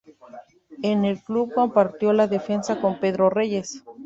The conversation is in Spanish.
En el club compartió la defensa con Pedro Reyes.